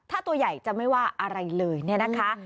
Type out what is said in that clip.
ถ้าตัวใหญ่จะไม่ว่าอะไรเลยเนี่ยนะคะ